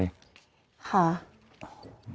ค่ะ